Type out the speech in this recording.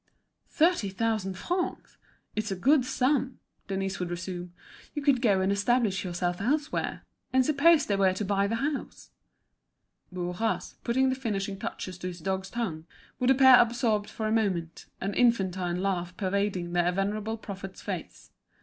"Thirty thousand francs! it's a good sum," Denise would resume. "You could go and establish yourself elsewhere. And suppose they were to buy the house?" Bourras, putting the finishing touches to his dog's tongue, would appear absorbed for a moment, an infantine laugh pervading his venerable prophet's face.